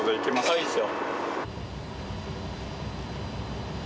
いいですよ。